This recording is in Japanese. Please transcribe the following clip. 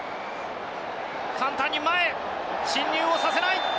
簡単に前へ侵入をさせない。